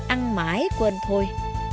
ăn mãi quên thôi